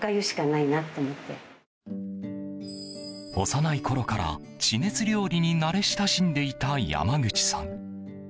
幼いころから地熱料理に慣れ親しんでいた山口さん。